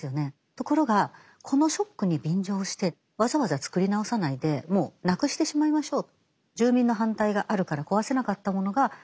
ところがこのショックに便乗してわざわざ作り直さないでもうなくしてしまいましょう。